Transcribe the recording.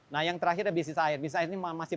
nah yang terakhir adalah bisnis air bisnis air ini masih